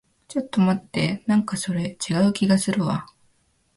ちょっと待って。なんかそれ、違う気がするわ。